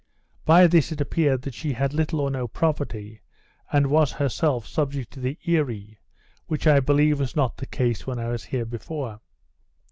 By this it appeared that she had little or no property, and was herself subject to the Earee, which I believe was not the case when I was here before.